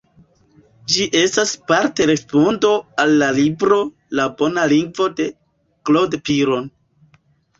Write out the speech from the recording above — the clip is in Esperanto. Ĝi estas parte respondo al la libro "La Bona Lingvo", de Claude Piron.